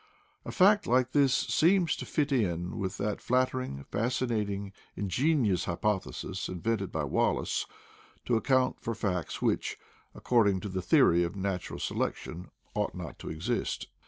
A fact like this seems to fit in with that flattering, fascinating, ingenious hypothesis in vented by Wallace to account for facts which, ac cording to the theory of natural selection, ought not to exist.